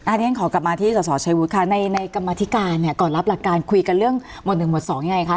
อาทิตย์ขอกลับมาที่ศาสตร์ชัยวุฒิค่ะในกรรมธิการก่อนรับหลักการคุยกันเรื่องหมวดหนึ่งหมวดสองยังไงคะ